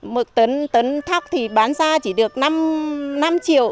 mực tấn tấn thắc thì bán ra chỉ được năm triệu